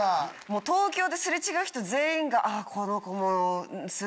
もう東京で擦れ違う人全員が「あぁこの子も」。